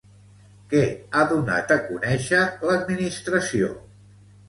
Què ha donat a conèixer l'administració?